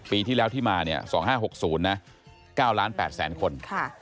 ปีที่แล้วที่มาเนี่ย๒๕๖๐นะ๙ล้าน๘แสนคน